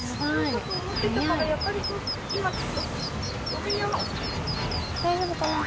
大丈夫かな？